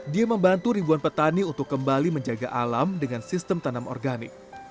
dia membantu ribuan petani untuk kembali menjaga alam dengan sistem tanam organik